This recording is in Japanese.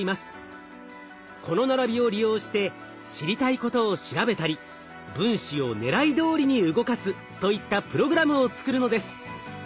この並びを利用して知りたいことを調べたり分子をねらいどおりに動かすといったプログラムを作るのです。